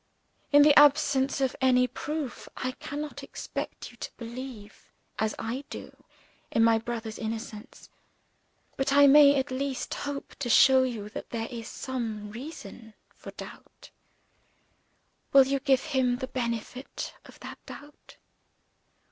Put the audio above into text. In the absence of any proof, I cannot expect you to believe as I do in my brother's innocence. But I may at least hope to show you that there is some reason for doubt. Will you give him the benefit of that doubt?"